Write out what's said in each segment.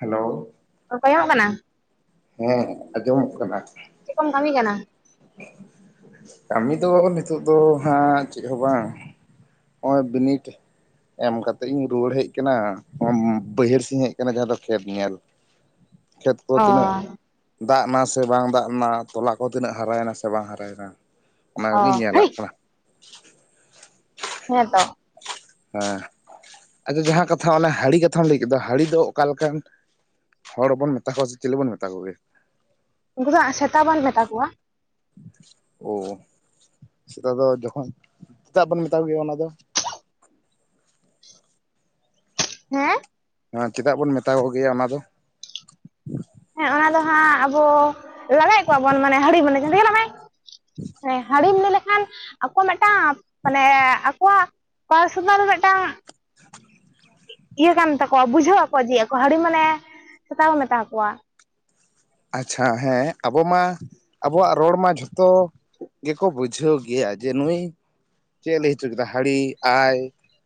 Hello, ᱚᱠᱚᱭᱚᱝ ᱚᱜ ᱠᱟᱱᱟ, ᱦᱮᱸ ᱟᱸᱡᱚᱢᱚᱜ ᱠᱟᱱᱟ, ᱪᱮᱫ ᱠᱚᱢ ᱠᱟᱹᱢᱤ ᱠᱟᱱᱟ? ᱠᱟᱹᱢᱤ ᱫᱚ ᱱᱤᱛᱚᱜ ᱫᱚ ᱦᱟᱸᱜ ᱪᱮᱫ ᱦᱚᱸ ᱵᱟᱝ, ᱱᱚᱜ-ᱚᱭ ᱵᱤᱱᱤᱴ ᱮᱢ ᱠᱟᱛᱮᱜ ᱤᱧ ᱨᱩᱣᱟᱹᱲ ᱦᱮᱡ ᱠᱟᱱᱟ ᱚᱱᱟ ᱵᱟᱹᱭᱦᱟᱹᱲ ᱥᱮᱫ ᱤᱧ ᱦᱮᱡ ᱟᱠᱟᱱᱟ ᱡᱟᱦᱟᱸ ᱫᱚ ᱠᱷᱮᱛ ᱧᱮᱞ, ᱠᱷᱮᱛ ᱠᱚ ᱚ ᱛᱤᱱᱟᱹᱜ ᱫᱟᱜ ᱱᱟ ᱥᱮ ᱵᱟᱝ ᱫᱟᱜ ᱱᱟ ᱛᱚᱞᱟ ᱠᱚ ᱛᱤᱱᱟᱹᱜ ᱦᱟᱨᱟᱭᱮᱱᱟ ᱥᱮ ᱵᱟᱝ ᱦᱟᱨᱟᱭᱮᱱᱟ ᱚᱱᱟ ᱚ ᱠᱚᱜᱮᱧ ᱦᱟᱹᱭ ᱧᱮᱞᱟᱜ ᱠᱟᱱᱟ, ᱦᱮᱸᱛᱚ, ᱦᱮᱸ ᱟᱪᱪᱷᱟ ᱡᱟᱦᱟᱸ ᱠᱟᱛᱷᱟ ᱚᱱᱟᱮ ᱦᱟᱹᱲᱤ ᱠᱟᱛᱷᱟᱢ ᱞᱟᱹᱭ ᱠᱮᱫᱟ, ᱦᱟᱹᱲᱤ ᱫᱚ ᱚᱠᱟ ᱞᱮᱠᱟᱱ? ᱦᱚᱲ ᱵᱚᱱ ᱢᱮᱛᱟ ᱠᱚᱣᱟ ᱥᱮ ᱪᱮᱞᱮ ᱵᱚᱱ ᱢᱮᱛᱟ ᱠᱚᱣᱟ ᱥᱮ ᱪᱮᱞᱮ ᱵᱚᱱ ᱢᱮᱛᱟ ᱠᱚ ᱜᱮ? ᱩᱱᱠᱩ ᱫᱚ ᱟᱸᱜ ᱥᱮᱛᱟ ᱵᱚᱱ ᱢᱮᱛᱟ ᱠᱚᱣᱟ, ᱳ ᱥᱮᱛᱟ ᱫᱚ ᱡᱚᱠᱷᱚᱱ ᱪᱮᱛᱟᱜ ᱵᱚᱱ ᱢᱮᱛᱟᱣ ᱜᱮᱭᱟ ᱚᱱᱟ ᱫᱚ? ᱦᱮᱸ ᱦᱮᱸ ᱪᱮᱫᱟᱜ ᱵᱚᱱ ᱢᱮᱛᱟ ᱠᱚᱜᱮᱭᱟ ᱚᱱᱟ ᱫᱚ, ᱦᱮᱸ ᱚᱱᱟ ᱫᱚ ᱦᱟᱸᱜ ᱟᱵᱚ ᱞᱟᱜᱟᱭᱮᱫ ᱠᱚᱣᱟ ᱵᱚᱱ ᱢᱟᱱᱮ ᱦᱟᱹᱲᱤ ᱢᱟᱱᱮ ᱡᱮ ᱦᱟᱹᱲᱤ ᱪᱟᱞᱟᱜ ᱢᱮ, ᱦᱮ ᱦᱟᱹᱲᱤᱢ ᱞᱟᱹᱭ ᱞᱮᱠᱷᱟᱱ ᱟᱠᱚᱣᱟᱜ ᱢᱤᱫᱴᱟᱝ ᱢᱟᱱᱮ ᱟᱠᱚᱣᱟᱜ ᱠᱟ ᱥᱩᱢᱟ ᱫᱚ ᱢᱤᱫᱴᱟᱝ [inaudible] [inaudible] ᱤᱭᱟᱹ ᱠᱟᱱ ᱛᱟᱠᱚᱣᱟ ᱵᱩᱡᱷᱟᱹᱣ ᱟᱠᱚ ᱡᱮ ᱟᱠᱚ ᱦᱟᱹᱲᱤ ᱢᱟᱱᱮ ᱥᱮᱛᱟ ᱵᱚ ᱢᱮᱛᱟ ᱟᱠᱚᱣᱟ ᱟᱪᱪᱷᱟ ᱦᱮᱸ ᱟᱵᱚ ᱢᱟ ᱟᱵᱚᱣᱟᱜ ᱨᱚᱲ ᱢᱟ ᱡᱷᱚᱛᱚ ᱜᱮᱠᱚ ᱵᱩᱡᱷᱟᱹᱣ ᱜᱮᱭᱟ ᱡᱮ ᱱᱩᱭ ᱪᱮᱫ ᱮ ᱞᱟᱹᱭ ᱦᱚᱪᱚ ᱠᱮᱫᱟ ᱦᱟᱹᱲᱤ ᱟᱭ,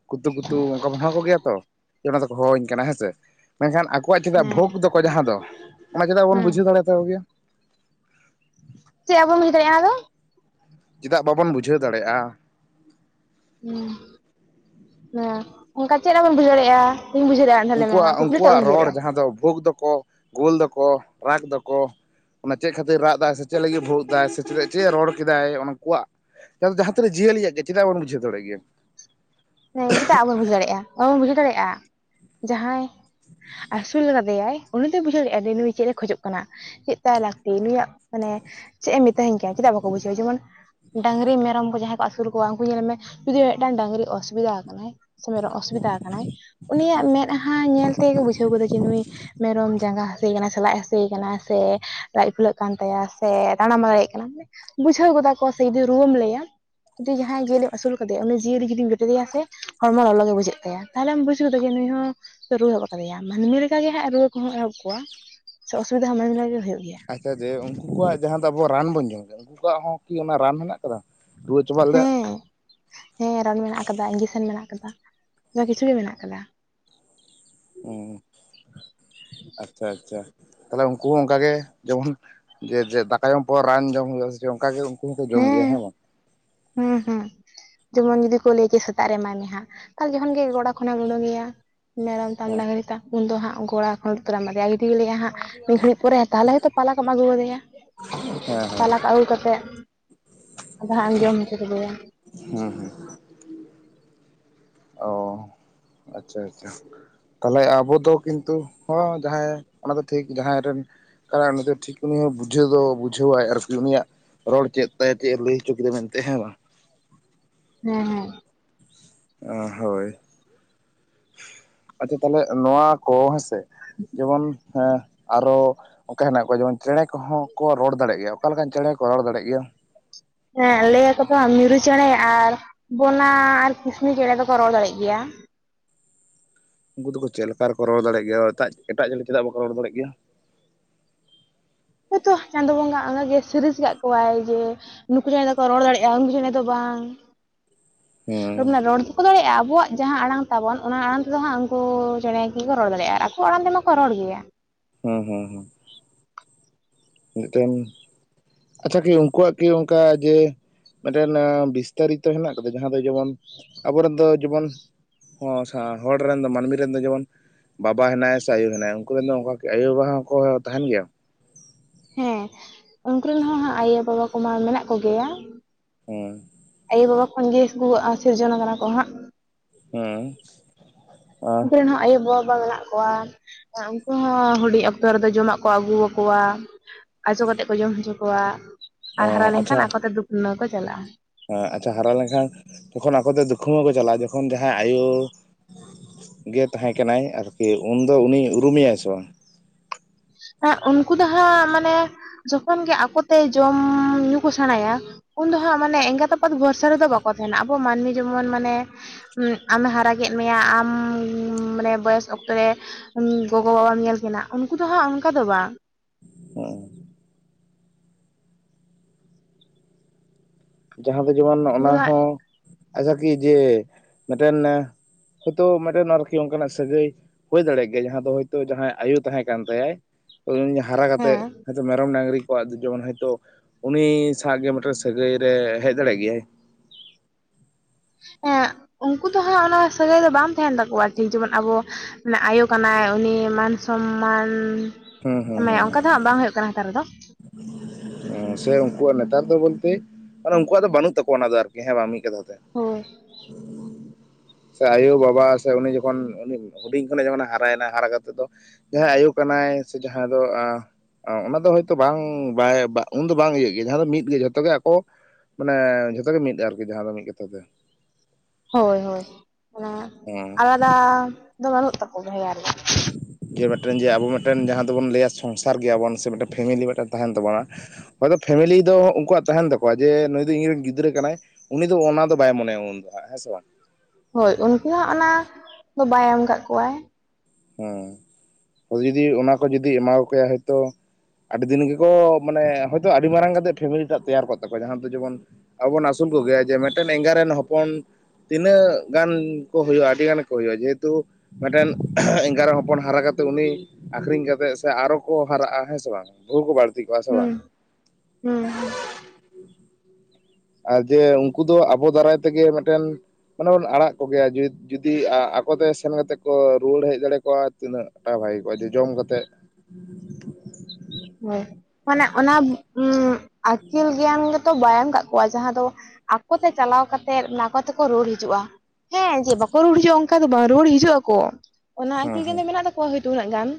ᱠᱩᱛᱩ ᱠᱩᱛᱩ ᱚᱱᱠᱟ ᱵᱚᱱ ᱦᱚᱦᱚ ᱟᱠᱚᱜᱮᱭᱟ ᱛᱚ ᱡᱮ ᱚᱱᱟ ᱫᱚᱠᱚ ᱦᱚᱦᱚᱣᱟᱹᱧ ᱠᱟᱱᱟ ᱦᱮᱸ ᱥᱮ ᱢᱮᱱ ᱠᱷᱟᱱ ᱟᱠᱚᱣᱟᱜ ᱪᱮᱫᱟᱜ ᱦᱮᱸ ᱵᱷᱳᱜᱽ ᱫᱚ ᱠᱚ ᱡᱟᱦᱟᱸ ᱫᱚ ᱚᱱᱟ ᱪᱮᱫᱟᱜ ᱵᱟᱵᱚᱱ ᱦᱮᱸ ᱵᱩᱡᱷᱟᱹᱣ ᱫᱟᱲᱮᱭᱟ ᱛᱟᱠᱚ ᱜᱮᱭᱟ? ᱪᱮ ᱟᱵᱚ ᱢᱤᱫ ᱫᱟᱲᱮᱜ ᱟᱵᱚ? ᱪᱮᱫᱟᱜ ᱵᱟᱵᱚᱱ ᱵᱩᱡᱷᱟᱹᱣ ᱫᱟᱲᱮᱭᱟᱜᱼᱟ? ᱦᱮᱸ ᱱᱟ ᱚᱱᱠᱟ ᱪᱮᱫ ᱨᱟ ᱵᱚᱱ ᱵᱩᱡᱷᱟᱹᱣ ᱫᱟᱲᱮᱭᱟᱜᱼᱟ ᱵᱟᱹᱧ ᱵᱩᱡᱷᱟᱹᱣ ᱫᱟ, ᱛᱟᱦᱚᱞᱮ ᱢᱟ ᱩᱱᱠᱩᱣᱟᱜ ᱠᱩᱠᱞᱤ ᱴᱟᱜ ᱩᱱᱠᱩᱣᱟᱜ ᱨᱚᱲ ᱡᱟᱦᱟᱸ ᱫᱚ ᱵᱷᱩᱜᱽ ᱫᱚᱠᱚ ᱜᱳᱞ ᱫᱚᱠᱚ ᱨᱟᱜᱽ ᱫᱚᱠᱚ, ᱚᱱᱟ ᱪᱮᱫ ᱠᱷᱟᱹᱛᱤᱨ ᱨᱟᱜ ᱫᱟᱭ ᱥᱮ ᱪᱮᱫ ᱞᱟᱹᱜᱤᱫ ᱵᱷᱩᱜᱽ ᱫᱟᱭ ᱥᱮ ᱪᱮᱫ ᱪᱮᱫ ᱮ ᱨᱚᱲ ᱠᱮᱫᱟᱭ ᱩᱱᱠᱩᱣᱟᱜ [unintelligible] ᱠᱟᱞᱡᱟᱦᱟᱸ ᱛᱤᱱᱟᱹᱜ ᱡᱤᱭᱟᱹᱟᱹᱞᱤᱭᱟᱹᱜ ᱜᱮ ᱪᱮᱫᱟᱜ ᱵᱚᱱ ᱵᱩᱡᱷᱟᱹᱣ ᱫᱟᱲᱮᱜ ᱜᱮᱭᱟ᱾ ᱦᱮᱸ ᱪᱮᱛᱟᱜ ᱟᱵᱚ ᱵᱩᱡᱟᱹᱜ ᱫᱟᱲᱮᱭᱟᱜᱼᱟ ᱟᱵᱚ ᱵᱟᱵᱳ ᱵᱩᱡᱷᱟᱹᱣ ᱫᱟᱲᱮᱭᱟᱜᱼᱟ ᱡᱟᱦᱟᱸᱭ᱾ ᱟᱥᱩᱞ ᱠᱟᱫᱮᱭᱟᱭ ᱩᱱᱤ ᱫᱚᱭ ᱵᱩᱡᱷᱟᱹᱣ ᱫᱟᱲᱮ ᱭᱟᱜᱟᱭ ᱱᱩᱭ ᱪᱮᱫ ᱮ ᱠᱷᱚᱡᱚᱜ ᱠᱟᱱᱟ᱾ ᱪᱮᱫ ᱛᱟᱭ ᱞᱟᱹᱠᱛᱤ ᱱᱩᱭᱟᱜ ᱢᱟᱱᱮ ᱪᱮᱫ ᱮ ᱢᱤᱛᱟᱹᱟᱧ ᱠᱟᱱᱟ ᱪᱮᱫᱟᱜ ᱵᱟᱠᱚ ᱵᱩᱡᱷᱟᱹᱣᱟ ᱡᱮᱢᱚᱱ ᱰᱟᱝᱨᱤ ᱢᱮᱨᱚᱢ ᱠᱚ ᱡᱟᱦᱟᱸᱭ ᱠᱚ ᱟᱹᱥᱩᱞ ᱠᱚᱣᱟ ᱩᱱᱠᱩ ᱧᱮᱞ ᱢᱮ ᱡᱩᱫᱤ ᱢᱤᱫᱴᱟᱝ ᱰᱟᱹᱝᱨᱤ ᱚᱥᱩᱵᱤᱫᱟ ᱟᱠᱟᱱᱟᱭ᱾ ᱥᱚᱢᱚᱭ ᱨᱮ ᱚᱥᱩᱵᱤᱫᱟ ᱟᱠᱟᱱᱟᱭ᱾ ᱩᱱᱤᱭᱟᱜ ᱢᱮᱫᱦᱟ ᱧᱮᱞ ᱛᱮᱜᱮ ᱵᱩᱡᱷᱟᱹᱣ ᱜᱚᱫᱟ ᱡᱮ ᱱᱩᱭ ᱢᱮᱨᱚᱢ ᱡᱟᱸᱜᱟ ᱦᱟ ᱦᱟᱹᱥᱩᱭᱮ ᱠᱟᱱᱟ ᱥᱮ ᱞᱟᱡ ᱦᱟᱹᱥᱩᱭᱮ ᱠᱟᱱᱟ ᱥᱮ ᱞᱟᱡ ᱯᱷᱩᱞᱟᱹᱜ ᱠᱟᱱ ᱛᱟᱭᱟ ᱥᱮ ᱛᱟᱲᱟᱢ ᱵᱟᱭ ᱫᱟᱲᱮᱭᱟᱜ ᱠᱟᱱᱟ᱾ ᱵᱩᱡᱷᱟᱹᱣ ᱜᱚᱫᱟ ᱠᱚ ᱥᱮ ᱡᱩ ᱨᱩᱣᱟᱹᱢ ᱞᱟᱹᱭᱟ ᱡᱩᱫᱤ ᱡᱟᱦᱟᱸᱭ ᱡᱤᱭᱟᱹᱞᱤ ᱮ ᱟᱹᱥᱩᱞ ᱠᱟᱫᱮᱭᱟ ᱩᱱᱤ ᱡᱤᱭᱟᱹᱞᱤ ᱡᱩᱫᱤᱢ ᱡᱟ [unintelligible] ᱡᱩᱫᱤᱭᱟ ᱥᱮ ᱦᱚᱲᱢᱚ ᱞᱚᱞᱚ ᱜᱮ ᱵᱩᱡᱷᱟᱹᱜ ᱛᱟᱭᱟ ᱛᱟᱦᱮᱞᱮᱢ ᱵᱩᱡᱷᱟᱣ ᱫᱟ ᱡᱮ ᱱᱩᱭ ᱦᱚᱸ ᱨᱩᱣᱟᱹ ᱮᱦᱚᱵ ᱟᱠᱟᱱ ᱜᱮᱭᱟ ᱢᱟᱹᱱᱢᱤ ᱞᱮᱠᱟᱜᱮ ᱦᱟᱸᱜ ᱨᱩᱣᱟᱹ ᱠᱚᱦᱚᱸ ᱮᱦᱚᱵ ᱠᱚᱜᱣᱟ ᱥᱮ ᱚᱥᱩᱵᱤᱫᱟ ᱦᱚᱸ ᱢᱟᱹᱱᱢᱤ ᱞᱮᱠᱟᱜᱮ ᱦᱩᱭᱩᱜ ᱜᱮᱭᱟ᱾ ᱟᱪᱪᱷᱟ ᱡᱮ ᱩᱱᱠᱩ ᱠᱚᱣᱟᱜ ᱡᱟᱦᱟᱸ ᱫᱚ ᱟᱵᱚᱣᱟᱜ ᱨᱟᱱ ᱵᱚᱱ ᱡᱚᱢ ᱮᱫᱟ ᱩᱱᱠᱩ ᱠᱚᱣᱟᱜ ᱦᱚᱸ ᱠᱤ ᱚᱱᱟ ᱨᱟᱱ ᱢᱮᱱᱟᱜ ᱟᱠᱟᱫᱟ ᱨᱩᱣᱟ. [unintelligible] ᱪᱚᱵᱟᱜ ᱞᱤᱭᱟ᱾ ᱦᱮᱸ ᱦᱮᱸ ᱨᱟᱱ ᱢᱮᱱᱟᱜ ᱟᱠᱟᱫᱟ ᱤᱧᱜᱤᱥᱮᱱ ᱢᱮᱱᱟᱜ ᱟᱠᱟᱫᱟ ᱟᱢᱟ ᱠᱤᱪᱷᱩ ᱜᱮ ᱢᱮᱱᱟᱜ ᱟᱠᱟᱫᱟ᱾ ᱚ ᱟᱪᱪᱷᱟ ᱟᱪᱪᱷᱟ᱾ ᱛᱟᱦᱚᱞᱮ ᱩᱱᱠᱩ ᱦᱚᱸ ᱚᱝᱠᱟ ᱜᱮ ᱡᱮᱢᱚᱱ ᱡᱮ ᱡᱮ ᱫᱟᱠᱟ ᱡᱚᱢ ᱯᱚᱨ ᱨᱟᱱ ᱡᱚᱢ ᱦᱩᱭᱩᱜᱼᱟ ᱥᱮᱪᱮᱜ ᱚᱱᱠᱟ ᱜᱮ ᱩᱝ ᱩᱝᱠᱩ ᱦᱚᱸᱠᱚ ᱡᱚᱢ ᱜᱮᱭᱟ ᱦᱮᱸ ᱵᱟᱝ᱾ ᱦᱮᱸ ᱦᱮᱸ᱾ ᱡᱮᱢᱚᱱ ᱡᱩᱫᱤ ᱠᱚ ᱞᱟᱹᱭ ᱠᱮᱭᱟ ᱥᱮᱛᱟᱜ ᱨᱮ ᱮᱢᱟᱭ ᱢᱮ ᱦᱟᱸᱜ ᱛᱟᱦᱞᱮ ᱡᱚᱠᱷᱚᱱ ᱜᱮ ᱜᱚᱲᱟ ᱠᱷᱚᱱᱟᱢ ᱩᱰᱩᱝ ᱮᱭᱟ ᱢᱮᱨᱚᱢ ᱛᱟᱢ ᱦᱮᱸ ᱰᱟᱹᱝᱨᱤ ᱛᱟᱢ ᱩᱱᱫᱚ ᱦᱟᱸᱜ [unintelligible] ᱩᱝᱜᱚᱲᱟ ᱠᱷᱚᱱ ᱜᱤᱛᱚ ᱛᱚᱨᱟᱢ ᱨᱟᱱ ᱮᱢᱟᱫᱮᱭᱟ ᱦᱟᱸᱜ᱾ ᱢᱤᱫ ᱜᱷᱟᱹᱲᱤᱡ ᱯᱚᱨᱮ ᱛᱟᱦᱮᱞᱮ ᱜᱤᱛᱚ ᱯᱟᱞᱟᱠ ᱠᱚᱢ ᱟᱹᱜᱩᱣᱟᱫᱮᱭᱟ ᱦᱮᱸ [unintelligible] ᱦᱮᱸ ᱯᱟᱞᱟᱠ ᱟᱹᱜᱩ ᱠᱟᱛᱮᱜ- ᱟᱫᱚ ᱦᱟᱸᱜ ᱮᱢ ᱡᱚᱢ ᱦᱚᱪᱚ ᱠᱮᱫᱮᱭᱟ᱾ [inaudible] [unintelligible] ᱦᱩ ᱦᱩ᱾ ᱚ ᱟᱪᱪᱷᱟ ᱟᱪᱪᱷᱟ᱾ ᱛᱟᱦᱮᱞᱮ ᱟᱵᱚ ᱫᱚ ᱠᱤᱱᱛᱩ ᱦᱚᱸ ᱡᱟᱦᱟᱸᱭ ᱚᱱᱟ ᱫᱚ ᱴᱷᱤᱠ ᱡᱟᱦᱟᱸᱭ ᱨᱮᱱ ᱠᱟᱨᱟᱭ ᱢᱤᱫ ᱫᱚ ᱴᱷᱤᱠ ᱩᱱᱤ ᱦᱚᱸ ᱵᱩᱡᱷᱟᱹᱣ ᱫᱚ ᱵᱩᱡᱷᱟᱹᱣᱟᱭ ᱟᱨᱠᱤ ᱩᱱᱤᱭᱟᱜ ᱨᱚᱲ ᱪᱮᱫ ᱛᱟᱭ ᱪᱮᱫ ᱮ ᱞᱟᱹᱭ ᱚᱪᱚ ᱠᱮᱫᱟ ᱢᱮᱱᱛᱮ ᱦᱮᱸ ᱵᱟᱝ᱾ ᱦᱮᱸ ᱦᱮᱸ ᱦᱳᱭ ᱟᱪᱪᱷᱟ ᱛᱟᱦᱮᱞᱮ ᱱᱚᱣᱟ ᱠᱚ ᱦᱮᱥ ᱛᱮ ᱡᱮᱢᱚᱱ ᱦᱮᱸ᱾ ᱟᱨᱚ ᱚᱠᱟ ᱦᱮᱱᱟᱜ ᱠᱚᱣᱟ ᱡᱮᱢᱚᱱ ᱪᱮᱬᱮ ᱠᱚᱦᱚᱸ ᱠᱚ ᱨᱚᱲ ᱫᱟᱲᱮᱜ ᱜᱮᱭᱟ ᱚᱠᱟ ᱞᱮᱠᱟᱱ ᱪᱮᱬᱮ ᱠᱚ ᱨᱚᱲ ᱫᱟᱲᱮᱜ ᱜᱮᱭᱟ᱾ ᱦᱮᱸ ᱞᱟᱹᱭ ᱟᱠᱚ ᱛᱚ ᱢᱤᱨᱩ ᱪᱮᱬᱮ ᱟᱨ ᱵᱚᱱᱟ ᱟᱨ ᱠᱤᱥᱱᱤ ᱪᱮᱬᱮ ᱫᱚᱠᱚ ᱨᱚᱲ ᱫᱟᱲᱮᱭᱟᱜ ᱜᱮᱭᱟ᱾ ᱩᱝᱠᱩ ᱫᱩᱠᱩ ᱪᱮᱫ ᱞᱮᱠᱟ ᱨᱮᱠᱚ ᱨᱚᱲ ᱫᱟᱲᱮᱭᱟᱜ ᱜᱮᱭᱟ ᱮᱴᱟᱜ ᱮᱴᱟᱜ ᱡᱟᱹᱭᱞᱤ ᱪᱮᱫᱟᱜ ᱵᱟᱠᱚ ᱨᱚᱲ ᱫᱟᱲᱮᱜ ᱜᱮᱭᱟ᱾ ᱦᱳᱭᱛᱚ ᱪᱟᱸᱫᱳ ᱵᱚᱸᱜᱟ ᱚᱱᱟᱜᱮ ᱥᱤᱨᱤᱡ ᱠᱟᱜ ᱠᱚᱣᱟᱭ ᱡᱮ ᱱᱩᱠᱩ ᱪᱮᱬᱮ ᱫᱚᱠᱚ ᱨᱚᱲ ᱫᱟᱲᱮᱭᱟᱜᱼᱟ ᱩᱱᱠᱩ ᱪᱮᱬᱮ ᱫᱚ ᱵᱟᱝ [unintelligible] ᱵᱟᱠᱩ ᱦᱮᱸ ᱞᱟᱹᱭᱟ ᱨᱚᱲ ᱫᱚ- ᱠᱚ ᱫᱟᱲᱮᱭᱟᱜᱼᱟ ᱟᱵᱚᱣᱟᱜ ᱡᱟᱦᱟᱸ ᱟᱲᱟᱝ ᱛᱟᱵᱚᱱ ᱚᱱᱟ ᱟᱲᱟᱝ ᱛᱮᱫᱚ ᱦᱟᱸᱜ ᱩᱱᱠᱩ ᱪᱮᱬᱮ ᱜᱮᱠᱚ ᱨᱚᱲ ᱫᱟᱲᱮᱼᱟ ᱟᱠᱚ ᱟᱲᱟᱝ ᱛᱮᱢᱟ ᱠᱚ ᱨᱚᱲ ᱜᱮᱭᱟ᱾ ᱦᱮᱸ ᱦᱮᱸ᱾ ᱢᱤᱫᱴᱮᱱ ᱟᱪᱪᱷᱟ ᱠᱤ ᱩᱱᱠᱩᱣᱟᱜ ᱠᱤ ᱝᱠᱟ ᱡᱮ ᱢᱤᱫᱴᱮᱱ ᱵᱤᱥᱛᱟᱨᱤᱛᱚ ᱦᱮᱱᱟᱜ ᱟᱠᱟᱫᱟ ᱡᱟᱦᱟᱸ ᱫᱚ ᱡᱮᱢᱚᱱ ᱟᱵᱚᱨᱮᱱ ᱫᱚ ᱡᱮᱢᱚᱱ ᱚ ᱥᱟ ᱦᱚᱲ ᱨᱮᱱ ᱫᱚ ᱢᱟᱱᱢᱤ ᱨᱮᱱ ᱫᱚ ᱡᱮᱢᱚᱱ ᱵᱟᱵᱟ ᱦᱮᱱᱟᱭᱟ ᱥᱮ ᱟᱭᱳ ᱦᱮᱱᱟᱭᱟ ᱩᱱᱠᱩ ᱨᱮᱱ ᱫᱚ ᱚᱝᱠᱟ ᱠᱩ ᱟᱭᱳ ᱵᱟᱵᱟ ᱦᱚᱠᱚ ᱛᱟᱦᱮᱱ ᱜᱮᱭᱟ᱾ ᱦᱮᱸ ᱩᱱᱠᱩ ᱨᱮᱱ ᱦᱚᱸᱦᱟᱸᱜ ᱟᱭᱳ ᱵᱟᱵᱟ ᱠᱚᱢᱟ ᱢᱮᱱᱟᱜ ᱠᱚᱜᱮᱭᱟ᱾ [inaudible] ᱟᱭᱳ ᱵᱟᱵᱟ ᱠᱷᱚᱱ ᱜᱮ ᱠᱩ ᱟᱥᱤᱨᱡᱚᱱ ᱟᱠᱟᱱᱟ ᱠᱚ ᱦᱟᱸᱜ᱾ ᱦᱩ᱾ ᱩᱱᱠᱩ ᱨᱮᱱ ᱦᱚᱸ ᱟᱭᱳᱼᱵᱟᱵᱟ ᱵᱟᱝᱞᱟᱜ ᱠᱚᱣᱟ ᱩᱱᱠᱩ ᱦᱚᱸ ᱦᱩᱰᱤᱧ ᱚᱠᱛᱚ ᱨᱮᱫᱚ ᱡᱚᱢᱟᱜ ᱠᱚ ᱟᱹᱜᱩ ᱟᱠᱚᱣᱟ᱾ ᱟᱡᱚ ᱠᱟᱛᱮ ᱠᱚ ᱡᱚᱢ ᱦᱚᱪᱚ ᱠᱚᱣᱟ ᱟᱨ ᱦᱟᱨᱟ ᱟᱪᱪᱷᱟ ᱞᱮᱱᱠᱷᱟᱱ ᱟᱠᱚ ᱛᱮ ᱫᱩᱠᱷᱱᱟᱹᱣ ᱠᱚ ᱪᱟᱞᱟᱜᱼᱟ᱾ ᱟᱪᱪᱷᱟ ᱦᱟᱨᱟ ᱞᱮᱱᱠᱷᱟᱱ ᱡᱚᱠᱷᱚᱱ ᱟᱠᱚ ᱛᱮ ᱫᱩᱠᱷᱚᱢᱚᱜ ᱠᱚ ᱪᱟᱞᱟᱜᱼᱟ ᱡᱚᱠᱷᱚᱱ ᱡᱟᱦᱟᱭ ᱟᱭᱳ- ᱜᱮ ᱛᱟᱦᱮᱸ ᱠᱟᱱᱟᱭ ᱟᱨᱠᱤ ᱩᱱᱫᱚ ᱩᱱᱤ ᱩᱨᱩᱢᱮᱟᱭ ᱥᱮ ᱵᱟᱝ᱾ ᱦᱟᱸᱜ ᱩᱱᱠᱩ ᱫᱚ ᱦᱟᱸᱜ ᱢᱟᱱᱮ ᱡᱚᱠᱷᱚᱱ ᱜᱮ ᱟᱠᱚ ᱛᱮ ᱡᱚᱢ ᱧᱩ ᱠᱚ ᱥᱮᱬᱟᱭᱟ᱾ ᱩᱱ ᱫᱚ ᱦᱟᱸᱜ ᱢᱟᱱᱮ ᱮᱸᱜᱟᱛ ᱟᱯᱟᱛ ᱵᱷᱚᱨᱥᱟ ᱨᱮᱫᱚ ᱵᱟᱠᱚ ᱛᱟᱦᱮᱱᱟ ᱟᱵᱚ ᱢᱟᱹᱱᱢᱤ ᱡᱮᱢᱚᱱ ᱢᱟᱱᱮ [inaudible] ᱟᱢᱮ ᱦᱟᱨᱟ ᱠᱮᱫ ᱢᱮᱭᱟ ᱟᱢ ᱢᱟᱱᱮ ᱵᱚᱭᱮᱥ ᱚᱠᱛᱮ ᱨᱮ ᱜᱚᱜᱚ ᱵᱟᱵᱟᱢ ᱧᱮᱞ ᱠᱤᱱᱟᱹ ᱩᱱᱠᱩ ᱫᱚ ᱦᱟᱸᱜ ᱚᱱᱠᱟ ᱫᱚ ᱵᱟᱝ᱾ [inaudible] ᱡᱟᱦᱟᱸ ᱫᱚ ᱡᱮᱢᱚᱱ ᱩᱱᱠᱩ ᱚᱱᱟ ᱫᱚ ᱦᱟᱸᱜ ᱦᱚᱸ ᱟᱪᱷᱟ ᱠᱤ ᱡᱮ ᱢᱤᱫᱴᱮᱱ ᱦᱳᱭᱛᱳ ᱢᱤᱫᱴᱮᱱ ᱟᱨᱠᱤ ᱚᱱᱠᱟᱱᱟᱜ ᱥᱟᱹᱜᱟᱹᱭ᱾ ᱦᱩᱭ ᱫᱟᱲᱮᱭᱟᱜ ᱜᱮᱭᱟ ᱡᱟᱦᱟᱸ ᱫᱚ ᱦᱚᱭᱛᱳ ᱡᱟᱦᱟᱸᱭ ᱟᱭᱳ ᱛᱟᱦᱮᱸ ᱠᱟᱱ ᱛᱟᱭᱟᱭ ᱦᱟᱨᱟ ᱠᱟᱛᱮᱫ ᱦᱮᱸ ᱦᱚᱭᱛᱚ ᱢᱮᱨᱚᱢ ᱰᱟᱝᱨᱤ ᱠᱚᱣᱟᱜ ᱫᱚ ᱡᱮᱢᱚᱱ ᱦᱚᱳᱭᱛᱳ ᱩᱱᱤ ᱥᱟᱜ ᱜᱮ ᱢᱤᱫᱴᱮᱱ ᱥᱟᱹᱜᱟᱹᱭ ᱨᱮ ᱦᱮᱡ ᱫᱟᱲᱮᱜ ᱜᱮᱭᱟᱭ᱾ ᱦᱮᱸ ᱩᱱᱠᱩ ᱫᱚ ᱦᱟᱸᱜ ᱚᱱᱟ ᱥᱟᱹᱜᱟᱹᱭ ᱫᱚ ᱵᱟᱝ ᱛᱟᱦᱮᱱ ᱛᱟᱠᱚᱣᱟ ᱴᱷᱤᱠ ᱡᱮᱢᱚᱱ ᱟᱵᱚ [inaudible] ᱟᱭᱳ ᱠᱟᱱᱟᱭ ᱩᱱᱤ ᱢᱟᱱ ᱥᱚᱢᱢᱟᱱ᱾ ᱦᱩᱸ ᱦᱩᱸ ᱮᱢᱟᱭᱟ ᱦᱩᱸ ᱚᱱᱠᱟ ᱫᱚ ᱦᱟᱸᱜ ᱵᱟᱝ ᱦᱩᱭᱩᱜ ᱠᱟᱱᱟ ᱱᱮᱛᱟᱨ ᱫᱚ ᱦᱩᱸ᱾ ᱥᱮ ᱩᱱᱠᱩᱣᱟᱜ ᱱᱮᱛᱟᱨ ᱫᱚ ᱵᱚᱞᱛᱮ ᱢᱟᱱᱮ ᱩᱱᱠᱩᱣᱟᱜ ᱫᱚ ᱵᱟᱹᱱᱩᱜ ᱛᱟᱠᱚᱣᱟ ᱚᱱᱟ ᱫᱚ ᱟᱨᱠᱤ ᱦᱮᱸ ᱵᱟᱝ ᱢᱤᱫ ᱠᱟᱛᱷᱟ ᱛᱮ [inaudible] ᱦᱳᱭ᱾ [inaudible] ᱥᱮ ᱟᱭᱳᱼᱵᱟᱵᱟ ᱥᱮ ᱩᱱᱤ ᱡᱚᱠᱷᱚᱱ ᱩᱱᱤ ᱦᱩᱰᱤᱧ ᱠᱷᱚᱱᱟᱜ ᱡᱚᱠᱷᱚᱱᱮ ᱦᱟᱨᱟᱭᱮᱱᱟ ᱦᱟᱨᱟ ᱠᱟᱛᱮᱫ ᱫᱚ ᱡᱟᱦᱟᱸᱭ ᱟᱭᱳ ᱠᱟᱱᱟᱭ ᱥᱮ ᱡᱟᱦᱟᱸᱭ ᱫᱚ ᱚᱱᱟ ᱫᱚ ᱦᱳᱭᱛᱳ ᱵᱟᱝ ᱵᱟᱭ ᱩᱱᱫᱚ ᱵᱟᱝ ᱤᱭᱟᱹᱜ ᱜᱮᱭᱟ ᱡᱟᱦᱟᱸ ᱫᱚ ᱢᱤᱫᱜᱮ ᱡᱷᱚᱛᱚ ᱜᱮ ᱟᱠᱚ ᱢᱟᱱᱮ ᱡᱷᱚᱛᱚ ᱜᱮ ᱢᱤᱫ ᱟᱨᱠᱤ ᱡᱟᱦᱟᱸ ᱫᱚ ᱢᱤᱫ ᱠᱟᱛᱷᱟ ᱛᱮ᱾ ᱦᱳᱭ ᱦᱳᱭ ᱢᱟᱱᱮ ᱦᱮᱸ ᱟᱞᱟᱫᱟ ᱫᱚ ᱵᱟᱹᱱᱩᱜ ᱛᱟᱠᱚᱣᱟ ᱵᱷᱮᱜᱟᱨ ᱡᱮ ᱢᱤᱫᱴᱮᱱ ᱡᱮ ᱟᱵᱚ ᱢᱤᱫᱴᱮᱱ ᱡᱟᱦᱟᱸ ᱫᱚᱵᱚᱱ ᱞᱟᱹᱭᱟ ᱥᱚᱝᱥᱟᱨ ᱜᱮᱭᱟᱵᱚᱱ ᱥᱮ ᱢᱤᱫᱮᱱ ᱯᱷᱮᱢᱮᱞᱤ ᱢᱤᱫᱴᱮᱱ ᱛᱟᱦᱮᱱ ᱛᱟᱵᱚᱱᱟ ᱦᱚᱭᱚ ᱯᱷᱮᱢᱮᱞᱤ ᱫᱚ ᱩᱱᱠᱩᱣᱟᱜ ᱛᱟᱦᱮᱱ ᱛᱟᱠᱚᱣᱟ ᱡᱮ ᱱᱩᱭ ᱫᱚ ᱤᱧ ᱨᱮᱱ ᱜᱤᱫᱽᱨᱟᱹ ᱠᱟᱱᱟᱭ᱾ ᱩᱱᱤ ᱫᱚ ᱚᱱᱟ ᱫᱚ ᱵᱟᱭ ᱢᱚᱱᱮᱭᱟ ᱩᱱ ᱫᱚ ᱦᱮᱸᱥᱮ ᱵᱟᱝ? ᱦᱳᱭ ᱩᱱᱠᱩ ᱦᱚᱸ ᱚᱱᱟ ᱫᱚ ᱵᱟᱭ ᱮᱢ ᱟᱠᱟᱫ ᱠᱚᱣᱟᱭ᱾ ᱦᱮᱸ ᱟᱫᱚ ᱡᱩᱫᱤ ᱚᱱᱟ ᱠᱚ ᱡᱩᱫᱤ ᱮᱢᱟ ᱣᱟᱠᱚᱭᱟ ᱦᱚᱭᱛᱚ ᱟᱹᱰᱤ ᱫᱤᱱ ᱜᱮᱠᱚ ᱢᱟᱱᱮ ᱦᱚᱭᱛᱳ ᱟᱹᱰᱤ ᱢᱟᱨᱟᱝ ᱠᱟᱛᱮᱜ ᱯᱷᱮᱢᱮᱞᱤ ᱴᱟᱜ ᱛᱮᱭᱟᱨ ᱠᱚᱜ ᱛᱟᱠᱚᱣᱟ ᱡᱟᱦᱟᱸ ᱫᱚ ᱡᱮᱢᱚᱱ ᱟᱵᱚ ᱵᱚᱱ ᱟᱹᱥᱩᱞ ᱠᱚᱜᱮᱭᱟ ᱡᱮ ᱢᱤᱫᱴᱮᱱ ᱮᱸᱜᱟ ᱨᱮᱱ ᱦᱚᱯᱚᱱ ᱛᱤᱱᱟᱹᱜ ᱜᱟᱱ ᱠᱚ ᱦᱩᱭᱩᱜᱼᱟ? ᱟᱹᱰᱤ ᱜᱟᱱ ᱠᱚ ᱦᱩᱭᱩᱜᱼᱟ, ᱡᱮᱦᱮᱛᱩ ᱢᱤᱫᱴᱮᱱ ᱮᱸᱜᱟᱨᱮᱱ ᱦᱚᱯᱚᱱ ᱦᱟᱨᱟ ᱠᱟᱛᱮᱜ ᱩᱱᱤ ᱟᱠᱷᱨᱤᱧ ᱠᱟᱛᱮᱜ ᱥᱮ ᱟᱨᱚ ᱠᱚ ᱦᱟᱨᱟᱜᱼᱟ ᱦᱮᱸ ᱥᱮ ᱵᱟᱝ ᱵᱷᱩ ᱠᱚ ᱵᱟᱹᱲ ᱦᱩᱸ, ᱦᱩᱸ ᱦᱩᱸ᱾ ᱟᱨ ᱡᱮ ᱩᱱᱠᱩ ᱫᱚ ᱟᱵᱚ ᱫᱟᱨᱟᱭ ᱛᱮᱜᱮ ᱢᱤᱫᱴᱮᱱ᱾ ᱢᱟᱱᱮ ᱵᱚᱱ ᱟᱲᱟᱜ ᱠᱚ ᱜᱮᱭᱟ ᱡᱩᱫᱤ ᱟᱠᱚᱛᱮ ᱥᱮᱱ ᱠᱟᱛᱮᱫ ᱠᱚ ᱨᱩᱣᱟᱹᱲ ᱦᱮᱡ ᱫᱟᱲᱮ ᱠᱚᱣᱟ ᱛᱤᱱᱟᱹᱜ ᱴᱟ ᱵᱷᱟᱜᱤ ᱠᱚᱜᱼᱟ ᱡᱮ ᱡᱚᱢ ᱠᱟᱛᱮᱜ᱾ ᱦᱮᱸ ᱢᱟᱱᱮ ᱚᱱᱟ [inaudible] ᱟᱹᱠᱤᱞ ᱜᱮᱭᱟᱱ ᱜᱮᱛᱚ ᱵᱟᱭ ᱮᱢ ᱠᱟᱜ ᱠᱚᱣᱟ ᱡᱟᱦᱟᱸ ᱫᱚ ᱟᱠᱚᱛᱮ ᱪᱟᱞᱟᱣ ᱠᱟᱛᱮᱫ ᱱᱟᱠᱚ ᱛᱮᱠᱚ ᱨᱩᱟᱹᱲ ᱦᱤᱡᱩᱜᱼᱟ᱾ ᱦᱮᱸ ᱡᱮ ᱵᱟᱠᱚ ᱨᱩᱟᱹᱲ ᱦᱤᱡᱩᱜᱼᱟ ᱚᱱᱠᱟ ᱫᱚ ᱵᱟᱝ ᱨᱩᱟᱹᱲ ᱦᱤᱡᱩᱜ ᱟᱠᱚ᱾ ᱚᱱᱟ ᱦᱮᱸ ᱟᱹᱠᱤᱞ ᱦᱮᱸ ᱡᱟᱹᱱᱤᱡ ᱢᱮᱱᱟᱜ ᱛᱟᱠᱚᱣᱟ ᱦᱚᱭᱛᱳ ᱩᱱᱟᱹᱜ ᱜᱟᱱ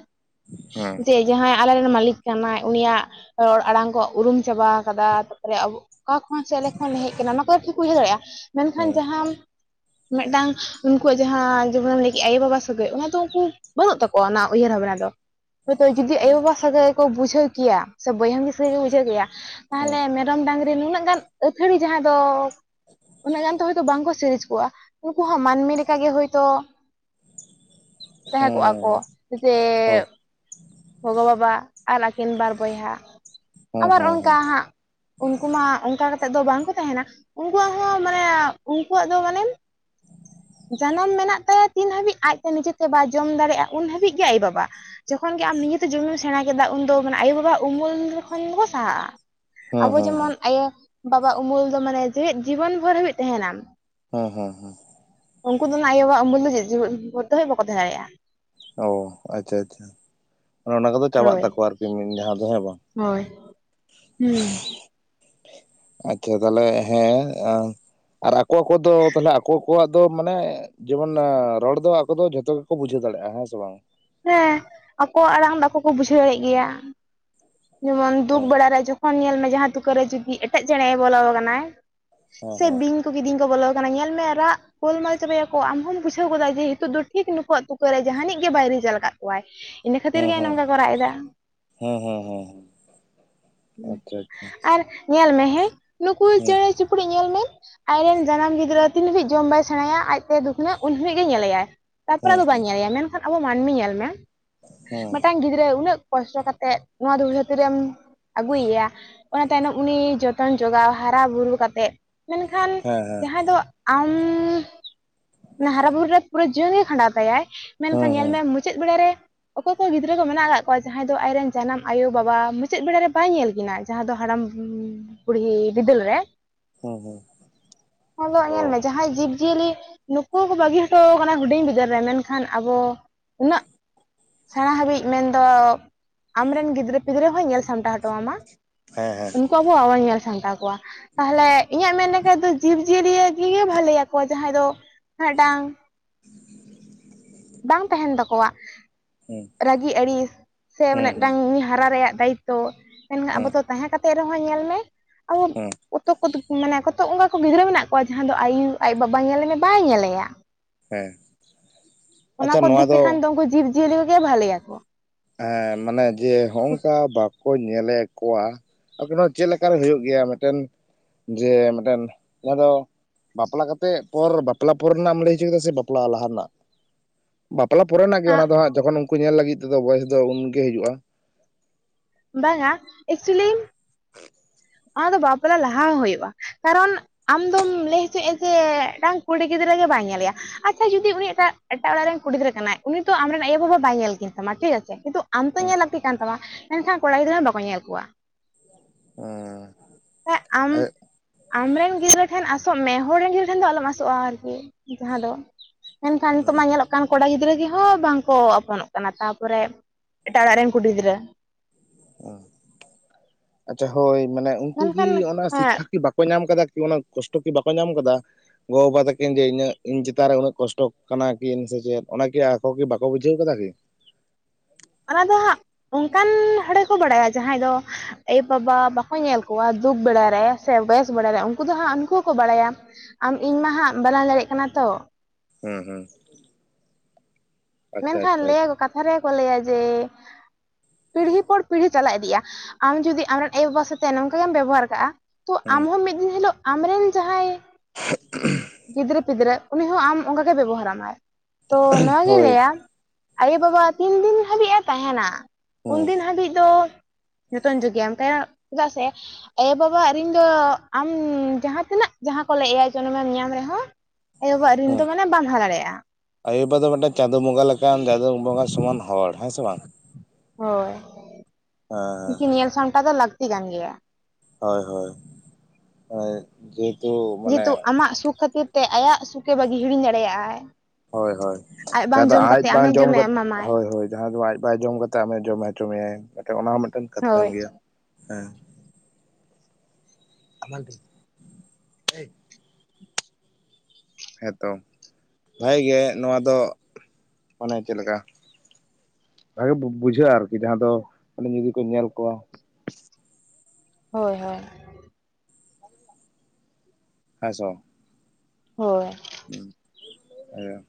ᱦᱮᱸ ᱡᱮ ᱡᱟᱦᱟᱸᱭ ᱟᱞᱮᱨᱮᱱ ᱢᱟ. ᱞᱤᱠ᱾ ᱠᱟᱱᱟᱭ ᱩᱱᱤᱭᱟᱜ ᱨᱚᱲ ᱟᱲᱟᱝ ᱠᱚ ᱩᱨᱩᱢ ᱪᱟᱵᱟ ᱠᱟᱫᱟ ᱛᱟᱯᱚᱨᱮ ᱟᱵᱚ ᱚᱠᱟ ᱠᱷᱚᱱ ᱥᱮ ᱞᱮ ᱠᱷᱚᱱ ᱞᱮ ᱦᱮᱡ ᱟᱠᱟᱱᱟ ᱚᱱᱟ ᱠᱚᱫᱚ ᱴᱷᱤᱠ ᱠᱚ ᱩᱭᱦᱟᱹᱨ ᱫᱟᱲᱮᱜᱼᱟ ᱢᱮᱱᱠᱷᱟᱱ ᱦᱮᱸ ᱡᱟᱦᱟᱱ ᱢᱤᱫᱴᱟᱝ ᱩᱱᱠᱩᱣᱟᱜ ᱡᱟᱦᱟᱸ ᱡᱮᱢᱚᱱᱮᱢ ᱞᱟᱹᱭ ᱠᱮᱫᱼᱟ ᱟᱭᱳᱵᱟᱵᱟ ᱥᱟᱹᱜᱟᱹᱭ ᱚᱱᱟ ᱫᱚ ᱩᱱᱠᱩ ᱵᱟᱹᱱᱩᱜ ᱛᱟᱠᱚᱣᱟ ᱚᱱᱟ ᱩᱭᱦᱟᱨ ᱵᱷᱟᱵᱽᱱᱟ ᱫᱚ᱾ ᱦᱳᱭᱛᱚ ᱡᱩᱫᱤ ᱦᱮᱸ ᱦᱮᱸ ᱦᱮᱸ ᱟᱭᱳᱼᱵᱟᱵᱟ ᱥᱟᱹᱜᱟᱹᱭ‌ ᱠᱚ ᱵᱩᱡᱷᱟᱹᱣ ᱠᱮᱭᱟ, ᱥᱮ ᱵᱚᱭᱦᱟ ᱢᱤᱥᱤ ᱠᱚ ᱵᱩᱡᱷᱟᱹᱣ ᱠᱮᱭᱟ ᱛᱟᱦᱚᱞᱮ ᱢᱮ ᱢᱮᱨᱚᱢ ᱰᱟᱝᱜᱽᱨᱤ ᱱᱩᱱᱟᱹᱜ ᱜᱟᱱ ᱟᱹᱛᱷᱟᱹᱲᱤ ᱡᱟᱦᱟᱸᱭ ᱫᱚ [unintelligible] ᱩᱱᱟᱹᱜ ᱜᱟᱱ ᱫᱚ ᱦᱚᱭᱛᱚ ᱵᱟᱝᱠᱚ ᱥᱤᱨᱤᱡᱽ ᱠᱚᱜᱼᱟ ᱩᱱᱠᱩ ᱦᱚᱸ ᱢᱟᱹᱱᱢᱤ ᱞᱮᱠᱟ ᱜᱮ ᱦᱳᱭᱛᱚ᱾ ᱛᱟᱦᱮᱸ ᱠᱚᱜᱼᱟ ᱦᱮᱸ ᱠᱚ ᱡᱮ ᱦᱮᱸ ᱜᱚᱜᱚ ᱵᱟᱵᱟ᱾ ᱟᱨ ᱟᱹᱠᱤᱱ ᱵᱟᱨ ᱵᱚᱭᱦᱟ ᱦᱮᱸ ᱟᱵᱟᱨ ᱦᱮᱸ ᱦᱮᱸ ᱚᱱᱠᱟ ᱦᱟᱸᱜ ᱩᱱᱠᱩ ᱢᱟ ᱚᱱᱠᱟ ᱠᱟᱛᱮᱫ ᱫᱚ ᱵᱟᱝᱠᱚ ᱛᱟᱦᱮᱱᱟ᱾ ᱩᱱᱠᱩᱣᱟᱜ ᱦᱚᱸ ᱢᱟᱱᱮ ᱩᱱᱠᱩᱣᱟᱜ ᱫᱚ ᱢᱟᱱᱮ᱾ ᱡᱟᱱᱟᱢ ᱢᱮᱱᱟᱜ ᱛᱟᱭᱟ ᱛᱤᱱ ᱦᱟᱹᱵᱤᱡ ᱟᱡᱛᱮ ᱱᱤᱡᱮᱛᱮ ᱵᱟᱭ ᱡᱚᱢ ᱫᱟᱲᱮᱭᱟᱜᱼᱟ ᱩᱱ ᱦᱟᱹᱵᱤᱡ ᱜᱮ ᱟᱭᱳ ᱵᱟᱵᱟ᱾ ᱡᱚᱠᱷᱚᱱ ᱜᱮ ᱟᱢ ᱱᱮᱡᱮ ᱛᱮ ᱡᱚᱢᱮᱢ ᱥᱮᱬᱟ ᱠᱮᱫᱟ ᱩᱱᱫᱚ ᱢᱟᱱᱮ ᱟᱭᱳᱼᱵᱟᱵᱟᱣᱟᱜ ᱩᱢᱩᱞ ᱠᱷᱚᱱ ᱫᱚᱠᱚ ᱥᱟᱦᱟᱜᱼᱟ ᱦᱮᱸ ᱟᱵᱚ ᱦᱮᱸ ᱦᱮᱸ ᱡᱮᱢᱚᱱ ᱟᱭᱳ ᱵᱟᱵᱟᱜ ᱩᱢᱩᱞ ᱫᱚ ᱢᱟᱱᱮ ᱡᱮᱣᱮᱫ ᱡᱤᱵᱚᱱ ᱵᱷᱳᱨ ᱦᱟᱹᱵᱤᱡ ᱛᱟᱦᱮᱱᱟ ᱦᱟᱸ ᱦᱟᱸ ᱦᱟᱸ ᱩᱱᱠᱩ ᱫᱚ ᱱᱟᱜ ᱟᱭᱳᱼᱵᱟᱵᱟ ᱩᱢᱩᱞ ᱫᱚ ᱡᱤᱣᱤᱫ [unintelligible] ᱵᱷᱚᱨ ᱫᱚ ᱵᱟᱠᱚ ᱛᱟᱦᱮᱸ ᱫᱟᱲᱮᱭᱟᱜᱼᱟ᱾ ᱚᱻ ᱟᱪᱪᱷᱟ ᱟᱪᱪᱷᱟ ᱚᱱᱟ ᱠᱚᱫᱚ ᱪᱟᱵᱟᱜ ᱦᱳᱭ ᱛᱟᱠᱚᱣᱟ ᱟᱨᱠᱤ ᱢᱮᱱ ᱡᱟᱦᱟᱸ ᱫᱚ ᱦᱮᱸ ᱵᱟᱝ ᱦᱳᱭ ᱦᱩᱸ ᱟᱪᱪᱷᱟ ᱛᱟᱦᱚᱞᱮ ᱦᱮᱸ ᱟᱨ ᱟᱨ ᱟᱠᱚ ᱟᱠᱚ ᱠᱚ ᱫᱚ ᱛᱟᱦᱚᱞᱮ ᱟᱠᱚ, ᱟᱠᱚᱣᱟᱜ ᱫᱚ ᱢᱟᱱᱮ ᱡᱮᱢᱚᱱ ᱨᱚᱲ ᱫᱚ ᱟᱠᱚ ᱫᱚ ᱡᱷᱚᱛᱚ ᱜᱮᱠᱚ ᱵᱩᱡᱷᱟᱹᱣ ᱫᱟᱲᱮᱭᱟᱜᱼᱟ ᱾ ᱦᱮᱸ ᱥᱮ ᱵᱟᱝ? ᱦᱮᱸ ᱟᱠᱚᱣᱟᱜ ᱟᱲᱟᱝ ᱟᱠᱚ ᱠᱚ ᱵᱩᱡᱷᱟᱹᱣ ᱫᱟᱲᱮᱭᱟᱜ ᱜᱮᱭᱟ ᱡᱮᱢᱚᱱ ᱫᱩᱠ ᱦᱳᱭ ᱵᱮᱲᱮ ᱨᱮ [unintelligible] ᱠᱷᱟᱱ ᱧᱮᱞ ᱢᱮ ᱡᱟᱦᱟᱸ ᱛᱩᱠᱟᱹ ᱨᱮ ᱪᱩᱯᱤ ᱮᱴᱟᱜ ᱪᱮᱬᱮ ᱵᱚᱞᱚᱣ ᱟᱠᱟᱱᱟᱭ, ᱦᱮᱸ ᱥᱮ ᱦᱮᱸ ᱵᱤᱧ ᱩᱱᱠᱩ ᱠᱤᱫᱤᱧ ᱠᱚ ᱵᱚᱞᱚᱣ ᱟᱠᱟᱱᱟ ᱧᱮᱞ ᱢᱮ ᱨᱟᱜ, ᱜᱳᱢᱟᱞ ᱪᱟᱵᱟᱭᱟᱠᱚ ᱟᱢ ᱦᱚᱢ ᱵᱩᱡᱷᱟᱹᱣ ᱜᱚᱫᱟ ᱡᱮ ᱦᱤᱛᱳᱜ ᱫᱚ ᱴᱷᱤᱠ ᱱᱩᱠᱩ ᱟᱜ ᱛᱩᱠᱟᱹ ᱨᱮ ᱡᱟᱦᱟᱱᱤᱡ ᱜᱮ ᱵᱟᱭᱨᱤ, ᱧᱮᱞ ᱟᱠᱟᱫ ᱠᱚᱣᱟᱭ ᱤᱱᱟᱹ ᱠᱷᱟᱹᱛᱤᱨ ᱜᱮ ᱱᱚᱝᱠᱟ ᱠᱚ ᱨᱟᱜ ᱮᱫᱟ᱾ ᱦᱩᱸᱻᱦᱩᱸᱻᱦᱩᱸᱻᱦᱩᱸ ᱟᱨ ᱧᱮᱞ ᱢᱮ ᱦᱮᱸ, ᱱᱩᱠᱩ ᱦᱮᱸ ᱪᱮᱬᱮ ᱪᱩᱯᱲᱤᱡ ᱧᱮᱞ ᱢᱮ, ᱟᱡᱨᱮᱱ ᱡᱟᱱᱟᱢ ᱜᱤᱫᱽᱨᱟᱹ ᱛᱤᱱ ᱦᱟᱹᱵᱤᱡ ᱡᱚᱢ ᱵᱟᱭ ᱥᱮᱬᱟᱭᱟ ᱟᱡᱛᱮ ᱫᱩᱠᱷ ᱧᱚᱜ ᱩᱱ ᱦᱟᱹᱵᱤᱡ ᱜᱮᱭ ᱧᱮᱞᱮᱭᱟᱭ᱾ ᱛᱟᱨ ᱯᱚᱨᱮ ᱦᱮᱸ ᱟᱫᱚ ᱵᱟᱭ ᱦᱮᱸ ᱦᱮᱸ ᱧᱮᱞᱮᱭᱟ ᱢᱮᱱᱠᱷᱟᱱ ᱟᱵᱚ ᱢᱟᱹᱱᱢᱤ ᱧᱮᱞ ᱢᱮ ᱦᱮᱸ ᱢᱤᱫᱴᱟᱝ ᱜᱤᱫᱽᱨᱟᱹ ᱩᱱᱟᱹᱜ ᱠᱚᱥᱴᱚ ᱠᱟᱛᱮᱫ ᱱᱚᱣᱟ ᱫᱷᱩᱲᱤ ᱫᱷᱟᱹᱨᱛᱤ ᱨᱮᱢ ᱟᱹᱜᱩᱭ ᱮᱭᱟ, ᱚᱱᱟ ᱛᱟᱭᱱᱚᱢ ᱩᱱᱤ ᱡᱚᱛᱚᱱ ᱡᱚᱜᱟᱣ ᱦᱟᱨᱟᱼᱵᱩᱨᱩ ᱠᱟᱛᱮᱫ, ᱢᱮᱱ ᱠᱷᱟᱱ ᱦᱮᱸ ᱦᱮᱸ ᱦᱮᱸ ᱡᱟᱦᱟᱸ ᱫᱚ ᱟᱢᱻ ᱦᱟᱨᱟ ᱵᱩᱨᱩ ᱨᱮ ᱯᱩᱨᱟᱹ ᱡᱤᱭᱚᱱ ᱜᱮᱭ ᱠᱷᱟᱸᱰᱟᱣ ᱛᱟᱭᱟᱭ ᱢᱮᱱᱠᱷᱟᱱ ᱦᱮᱸ ᱧᱮᱞ ᱢᱮ ᱢᱩ ᱢᱩᱪᱟᱹᱫ ᱵᱮᱲᱟ ᱨᱮ ᱚᱠᱚᱭ ᱠᱚ ᱜᱤᱫᱽᱨᱟᱹ ᱠᱚ ᱢᱮᱱᱟᱜ ᱟᱠᱟᱫ ᱠᱚᱣᱟ ᱡᱟᱦᱟᱸᱭ ᱫᱚ ᱟᱡ ᱨᱮᱱ ᱡᱟᱱᱟᱢ ᱟᱭᱳ-ᱵᱟᱵᱟ ᱢᱩᱪᱟᱹᱫ ᱵᱮᱲᱟ ᱨᱮ ᱵᱟᱭ ᱧᱮᱞ ᱠᱤᱱᱟ, ᱡᱟᱦᱟᱸ ᱫᱚ ᱦᱟᱲᱟᱢ ᱵᱩᱲᱦᱤ ᱵᱤᱫᱟᱹᱞ ᱨᱮ᱾ [unintelligible] [unintelligible] ᱚ ᱧᱮᱞ ᱢᱮ ᱡᱟᱦᱟᱸᱭ ᱡᱤᱵᱽ ᱡᱤᱭᱟᱹᱞᱤ, ᱱᱩᱠᱩ ᱠᱚ ᱵᱟᱹᱜᱤ ᱦᱚᱴᱚᱣ ᱠᱟᱱᱟ ᱦᱩᱰᱤᱧ ᱵᱤᱫᱟᱹᱞ ᱨᱮ ᱢᱮᱱᱠᱷᱟᱱ ᱟᱵᱚ, ᱩᱱᱟᱹᱜ ᱥᱮᱬᱟ ᱦᱟᱹᱵᱤᱡ ᱢᱮᱱᱫᱚᱻ ᱟᱢ ᱨᱮᱱ ᱜᱤᱫᱽᱨᱟᱹ ᱯᱤᱫᱽᱨᱟᱹ ᱦᱚᱸᱭ ᱧᱮᱞ ᱥᱟᱢᱴᱟᱣᱼᱟ᱾ ᱴᱚᱢᱟ ᱦᱮᱸᱻᱦᱮᱸᱻ ᱟᱵᱚ ᱵᱟᱵᱚ ᱧᱮᱞ ᱥᱟᱢᱴᱟᱣ ᱠᱚᱣᱟ, ᱛᱟᱦᱚᱞᱮ ᱤᱧᱟᱹᱜ ᱢᱮᱱ ᱞᱮᱠᱷᱟᱡ ᱫᱚ ᱡᱤᱵᱽ ᱡᱤᱭᱟᱹᱞᱤ [unintelligible] ᱜᱮ ᱵᱷᱟᱹᱞᱮᱭᱟᱠᱚ ᱡᱟᱦᱟᱸᱭ ᱫᱚ, ᱢᱤᱫᱴᱟᱝ, ᱵᱟᱝ ᱛᱟᱦᱮᱱ ᱛᱟᱠᱚᱣᱟ᱾ ᱦᱮᱸ ᱨᱟᱹᱜᱤ ᱟᱹᱲᱤᱥ ᱥᱮ ᱦᱮᱸ ᱢᱟᱱᱮ ᱦᱮᱸ ᱢᱤᱫᱴᱟᱝ ᱦᱟᱨᱟ ᱨᱮᱭᱟᱜ ᱫᱟᱭᱤᱛᱛᱚ ᱾ ᱢᱮᱱᱠᱷᱟᱱ ᱟᱵᱚ ᱦᱮᱸ ᱫᱚ ᱛᱟᱦᱮᱸ ᱠᱟᱛᱮ ᱨᱮᱦᱚᱸ ᱧᱮᱞ ᱢᱮ ᱟᱵᱚ ᱦᱚᱸ ᱠᱚᱛᱚᱠ ᱠᱚ ᱢᱟᱱᱮ ᱠᱚᱛᱚ ᱚᱱᱠᱟ ᱠᱚ ᱜᱤᱫᱽᱨᱟᱹ ᱢᱮᱱᱟᱜ ᱠᱚᱣᱟ ᱡᱟᱦᱟᱸ ᱫᱚ ᱟᱭᱳ ᱟᱡ ᱵᱟᱵᱟ ᱧᱮᱞᱮ ᱢᱮ ᱵᱟᱭ ᱧᱮᱞᱮᱭᱟ ᱦᱮᱸ ᱚᱱᱟ ᱟᱪᱪᱷᱟ ᱠᱚ ᱱᱚᱣᱟ ᱫᱤᱠ ᱛᱮ ᱠᱷᱟᱱ ᱫᱚ ᱩᱱᱠᱩ ᱡᱤᱵᱽᱼᱡᱤᱭᱟᱹᱞᱤ ᱠᱚᱜᱮ ᱵᱷᱟᱹᱞᱮᱭᱟᱠᱚ᱾ ᱦᱮᱸ ᱢᱟᱱᱮ ᱡᱮ ᱦᱚᱸᱼᱚᱝᱠᱟ ᱵᱟᱯ ᱠᱚ ᱧᱮᱞᱮ ᱠᱚᱣᱟ [unintelligible] ᱠᱤᱱ ᱪᱮᱫᱠᱟᱨᱮ ᱦᱩᱭᱩᱜ ᱜᱮᱭᱟ ᱢᱤᱫᱴᱮᱱ ᱡᱮ ᱢᱤᱫᱴᱮᱱ ᱚᱱᱟ ᱫᱚ ᱵᱟᱯᱞᱟ ᱠᱟᱛᱮᱫ ᱯᱚᱨ ᱵᱟᱯᱞᱟ ᱯᱚᱨ ᱨᱮᱱᱟᱜ ᱮᱢ ᱞᱟᱹᱭ ᱦᱚᱪᱚ ᱠᱮᱫᱟ ᱥᱮ ᱵᱟᱯᱞᱟ ᱞᱟᱦᱟ ᱨᱮᱱᱟᱜ ᱵᱟᱯᱞᱟ ᱯᱚᱨᱮᱱᱟᱜ ᱜᱮ ᱚᱱᱟ ᱫᱚ ᱦᱟᱸᱜ ᱡᱚᱠᱷᱚᱱ ᱩᱱᱠᱩ ᱧᱮᱞ ᱞᱟᱹᱜᱤᱫ ᱛᱮᱫᱚ ᱵᱚᱭᱮᱥ ᱫᱚ ᱩᱱᱜᱮ ᱦᱩᱭᱩᱩᱜᱼᱟ᱾ ᱵᱟᱝ-ᱟ, ᱮᱠᱪᱩᱭᱮᱞᱤ [inaudible] ᱚᱱᱟ ᱫᱚ ᱵᱟᱯᱞᱟ ᱞᱟᱦᱟ ᱦᱚᱸ ᱦᱳᱭᱳᱜᱼᱟ᱾ ᱠᱟᱨᱚᱱ ᱟᱢᱫᱚᱢ ᱞᱟᱹᱭ ᱦᱚᱪᱚᱭᱮᱜ-ᱟ ᱡᱮ ᱢᱤᱫᱴᱟᱝ ᱠᱩᱲᱤ ᱜᱤᱫᱽᱨᱟᱹ ᱜᱮ ᱵᱟᱭ ᱧᱮᱞᱮᱭᱟ᱾ ᱟᱪᱪᱷᱟ ᱡᱩᱫᱤ ᱩᱱᱤ ᱮᱴᱟᱜ ᱮᱴᱟᱜ ᱚᱲᱟᱜ ᱨᱮᱱ ᱠᱩᱲᱤ ᱜᱤᱫᱽᱨᱟᱹ ᱠᱟᱱᱟᱭ ᱩᱱᱤ ᱛᱚ ᱟᱢ ᱨᱮᱱ ᱟᱭᱳ-ᱵᱟᱵᱟ ᱵᱟᱭ ᱧᱮᱞ ᱠᱤᱱ ᱛᱟᱢᱟ ᱴᱷᱤᱠ ᱟᱪᱷᱮ ᱠᱤᱱᱛᱩ, ᱟᱢ ᱛᱚ ᱧᱮᱞ ᱞᱟᱹᱠᱛᱤ ᱠᱟᱱ ᱛᱟᱢᱟ ᱢᱮᱱᱠᱷᱟᱱ ᱠᱚᱲᱟ ᱜᱤᱫᱽᱨᱟᱹ ᱦᱚᱸ ᱵᱟᱠᱚ ᱧᱮᱞ ᱠᱚᱣᱟ ᱦᱩᱸ [unintelligible] ᱟᱢ ᱟᱢ ᱨᱮᱱ ᱜᱤᱫᱽᱨᱟᱹ ᱴᱷᱮᱱ ᱟᱸᱥᱚᱜ ᱢᱮ, ᱦᱚᱲ ᱨᱮᱱ ᱜᱤᱫᱽᱨᱟᱹ ᱴᱷᱮᱱ ᱫᱚ ᱟᱞᱚᱢ ᱟᱸᱥᱚᱜᱼᱟ ᱟᱨᱠᱤ ᱡᱟᱦᱟᱸ ᱫᱚ᱾ ᱢᱮᱱᱠᱷᱟᱱ ᱱᱤᱛᱚᱜ ᱢᱟ ᱧᱮᱞᱚᱜ ᱠᱟᱱ ᱠᱚᱲᱟ ᱜᱤᱫᱽᱨᱟᱹ ᱜᱮ ᱦᱚᱸ ᱵᱟᱝᱠᱚ ᱟᱯᱚᱱᱚᱜ ᱠᱟᱱᱟ ᱾ ᱛᱟᱨ ᱯᱚᱨᱮ ᱮᱴᱟᱜ ᱚᱲᱟᱜ ᱨᱮᱱ ᱠᱩᱰᱤ ᱜᱤᱫᱽᱨᱟᱹ ᱟᱪᱪᱷᱟ ᱦᱳᱭ ᱢᱟᱱᱮ ᱩᱱᱠᱩ ᱢᱮᱱᱠᱷᱟᱱ ᱜᱤ ᱚᱱᱟ ᱥᱤᱠᱠᱷᱟ ᱦᱮᱸ ᱠᱤ ᱵᱟᱠᱚ ᱧᱟᱢ ᱠᱟᱫᱟ ᱠᱤ ᱚᱱᱟ ᱠᱚᱥᱴᱚ ᱠᱤ ᱵᱟᱠᱚ ᱧᱟᱢ ᱠᱟᱫᱟ ᱜᱚ ᱵᱟᱵᱟ ᱛᱟᱹᱠᱤᱱ ᱡᱮ ᱤᱧᱟᱹᱜ ᱤᱧ ᱪᱮᱛᱟᱱ ᱨᱮ ᱩᱱᱟᱹᱜ ᱠᱚᱥᱴᱚ ᱠᱟᱱᱟ ᱠᱤᱱ ᱥᱮ ᱪᱮᱫ ᱚᱱᱟᱠᱤ ᱟᱠᱚ ᱠᱤ ᱵᱟᱠᱚ ᱵᱩᱡᱷᱟᱹᱣ ᱟᱠᱟᱫᱟ ᱠᱤ᱾ ᱚᱱᱟ ᱫᱚ ᱦᱟᱸᱜ ᱚᱱᱠᱟᱱ ᱦᱚᱲ ᱠᱚ ᱵᱟᱲᱟᱭᱟ ᱡᱟᱦᱟᱸᱭ ᱫᱚ ᱟᱭᱳ ᱵᱟᱵᱟ ᱵᱟᱠᱚ ᱧᱮᱞ ᱠᱚᱣᱟ ᱫᱩᱠ ᱵᱮᱲᱟᱨᱮ ᱥᱮ ᱵᱮᱥ ᱵᱟᱲᱟᱨᱮ ᱩᱱᱠᱩ ᱫᱚ ᱦᱟᱸᱜ ᱩᱱᱠᱩ ᱦᱚᱸᱠᱚ ᱵᱟᱲᱟᱭᱟ᱾ ᱟᱢ ᱤᱧ ᱢᱟ ᱦᱟᱸᱜ ᱵᱟᱲᱟᱭ ᱫᱟᱲᱮᱭᱟᱜ ᱠᱟᱱᱟ ᱛᱚ ᱦᱮᱸ ᱦᱩᱸ ᱟᱪᱪᱷᱟ ᱢᱮᱱᱠᱷᱟᱱ ᱟᱪᱪᱷᱟ ᱞᱟᱹᱭᱟᱠᱚ ᱠᱟᱛᱷᱟ ᱨᱮᱭᱟᱜᱠᱚ ᱞᱟᱹᱭᱟ ᱡᱮ ᱯᱤᱲᱦᱤ ᱯᱚᱨ ᱯᱤᱲᱦᱤ ᱪᱟᱞᱟᱜ ᱤᱫᱤᱜᱼᱟ ᱟᱢ ᱡᱩᱫᱤ ᱟᱢ ᱨᱮᱱ ᱟᱭᱳ ᱵᱟᱵᱟ ᱥᱟᱛᱮ ᱱᱚᱝᱠᱟ ᱜᱮᱢ ᱵᱮᱵᱚᱦᱟᱨ ᱠᱟᱜᱼᱟ᱾ ᱛᱚ ᱦᱩᱸ ᱟᱢᱦᱚᱸ ᱢᱤᱫ ᱫᱤᱱ ᱦᱤᱞᱳᱜ ᱟᱢᱨᱮᱱ ᱡᱟᱦᱟᱸᱭ ᱜᱤᱫᱽᱨᱟᱹ ᱯᱤᱫᱽᱨᱟᱹ ᱩᱱᱤ ᱦᱚᱸ ᱟᱢ ᱚᱱᱠᱟᱜᱮ ᱵᱮᱵᱚᱦᱟᱨᱟᱢᱟᱭ ᱛᱚ ᱱᱚ᱾ ᱦᱳᱭ ᱟᱭᱳᱼᱵᱟᱵᱟ ᱛᱤᱱ ᱫᱤᱱ ᱦᱟᱹᱵᱤᱡᱼ ᱮ ᱛᱟᱦᱮᱱᱟ ᱦᱩᱸ ᱩᱱᱫᱤᱱ ᱦᱟᱹᱵᱤᱡ ᱫᱚ ᱱᱩᱛᱚᱱ ᱡᱩᱜ ᱜᱮᱭᱟᱢ ᱯᱮᱲᱟᱜ ᱪᱮᱫᱟᱜ ᱥᱮ ᱟᱭᱳ ᱵᱟᱵᱟ ᱟᱨ ᱤᱧ ᱫᱚ ᱟᱢ ᱡᱟᱦᱟᱸ ᱛᱤᱱᱟᱹᱜ ᱡᱟᱦᱟᱸ ᱠᱚ ᱞᱮᱭᱟ ᱡᱚᱱᱚᱢᱮᱢ ᱧᱟᱢ ᱨᱮᱦᱚᱸ᱾ ᱟᱭᱳ ᱵᱟᱵᱟ ᱨᱤᱱ ᱫᱚ ᱢᱟᱱᱮ ᱵᱟᱢ ᱞᱟᱦᱟ ᱫᱟᱲᱮᱭᱟᱜᱼᱟ᱾ ᱟᱭᱳᱵᱟ ᱫᱚ ᱢᱤᱫᱴᱮᱱ ᱪᱟᱸᱫᱳ ᱵᱚᱸᱜᱟ ᱞᱮᱠᱟᱱ ᱪᱟᱸᱫᱳ ᱵᱚᱸᱜᱟ ᱥᱚᱢᱟᱱ ᱦᱚᱲ ᱦᱮᱸ ᱥᱮ ᱵᱟᱝ? ᱦᱳᱭ ᱦᱮᱸ ᱩᱱᱠᱤ ᱧᱮᱞ ᱥᱟᱢᱴᱟᱣ ᱫᱚ ᱞᱟᱹᱠᱛᱤ ᱠᱟᱱ ᱜᱮᱭᱟ᱾ ᱦᱳᱭ ᱦᱳᱭ ᱦᱚᱭ ᱡᱮ ᱦᱮ ᱛᱩ ᱡᱮᱦᱮᱛᱩ ᱟᱢᱟᱜ ᱥᱩᱠ ᱠᱷᱟᱹᱛᱤᱨ ᱛᱮ ᱟᱭᱟᱜ ᱥᱩᱠᱮ ᱵᱟᱹᱜᱤ ᱦᱤᱲᱤᱧ ᱫᱟᱲᱮᱭᱟᱜᱟᱭ ᱦᱳᱭ ᱦᱳᱭ ᱡᱟᱦᱟᱸᱫᱚ ᱟᱡ ᱵᱟᱝ ᱟᱢᱮ ᱡᱚᱢ ᱡᱚᱢᱮ ᱠᱟᱛᱮ ᱮᱢᱟᱢᱟᱭ ᱦᱳᱭ ᱦᱳᱭ ᱡᱟᱦᱟᱸ ᱫᱚ ᱟᱡ ᱵᱟᱭ ᱡᱚᱢ ᱠᱟᱛᱮᱫ ᱟᱢᱮ ᱡᱚᱢ ᱦᱚᱪᱚ ᱢᱮᱭᱟᱭ ᱚᱱᱟ ᱦᱚᱸ ᱢᱤᱫᱴᱮᱱ ᱠᱟᱛᱷᱟ ᱠᱟᱱ ᱦᱳᱭ ᱜᱮᱭᱟ ᱦᱮᱸ᱾ [unintelligible] ᱦᱮᱸᱛᱚ ᱵᱷᱟᱜᱮ ᱜᱮ ᱱᱚᱣᱟ ᱫᱚ ᱚᱱᱮ ᱪᱮᱫ ᱞᱮᱠᱟ᱾ ᱵᱷᱟᱜᱮ ᱵᱩᱡᱷᱟᱹᱜᱼᱟ ᱟᱨᱠᱤ ᱡᱟᱦᱟᱸ ᱫᱚ ᱢᱟᱱᱮ ᱡᱩᱫᱤ ᱠᱚ ᱧᱮᱞ ᱠᱚᱣᱟ᱾ ᱦᱳᱭ ᱦᱳᱭ [inaudible] ᱦᱮᱸᱥᱚ ᱦᱳᱭ ᱩᱦ ᱦᱮᱸ